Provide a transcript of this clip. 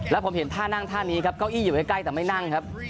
แล้วผมเห็นท่านั่งท่านี้ครับเก้าอี้อยู่ใกล้แต่ไม่นั่งครับ